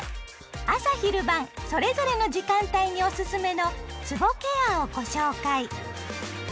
朝・昼・晩それぞれの時間帯におすすめのつぼケアをご紹介。